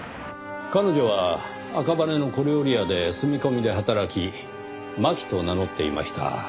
彼女は赤羽の小料理屋で住み込みで働きマキと名乗っていました。